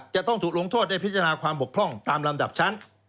จะต้องถูกลงโทษได้พิจารณาความบกพร่องตามลำดับชั้น